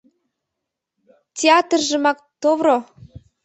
— Театржымак товро!